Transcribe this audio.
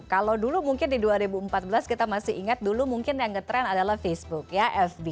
kalau dulu mungkin di dua ribu empat belas kita masih ingat dulu mungkin yang ngetrend adalah facebook ya fb